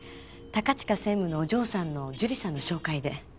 高近専務のお嬢さんの樹里さんの紹介で。